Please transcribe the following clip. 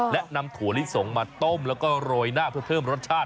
และนำถั่วลิสงมาต้มแล้วก็โรยหน้าเพื่อเพิ่มรสชาติ